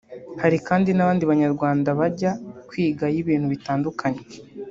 Hari kandi n’abandi Banyarwanda bajya kwigayo ibintu bitandukanye